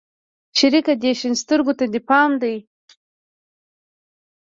شريکه دې شين سترگو ته دې پام دى.